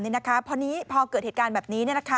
ทีนี้พอเกิดเหตุการณ์แบบนี้